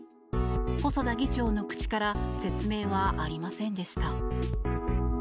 細田議長の口から説明はありませんでした。